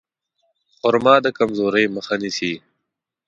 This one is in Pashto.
خرما د کمزورۍ مخه نیسي.